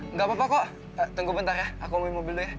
nggak apa apa kok tunggu bentar ya aku mau mobil dulu ya